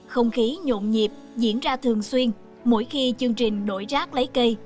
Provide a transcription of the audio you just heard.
không khí nhộn nhịp diễn ra thường xuyên mỗi khi chương trình đổi rác lấy cây